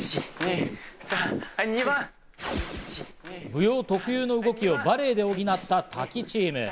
舞踊特有の動きをバレエで補ったＴＡＫＩチーム。